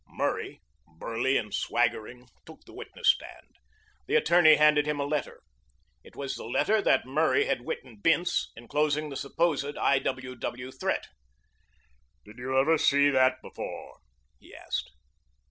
Murray, burly and swaggering, took the witness chair. The attorney handed him a letter. It was the letter that Murray had written Bince enclosing the supposed I.W.W. threat. "Did you ever see that before?" he asked.